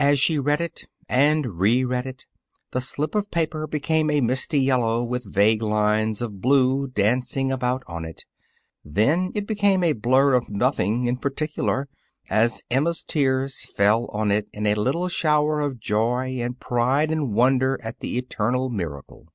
As she read it and reread it, the slip of paper became a misty yellow with vague lines of blue dancing about on it; then it became a blur of nothing in particular, as Emma's tears fell on it in a little shower of joy and pride and wonder at the eternal miracle.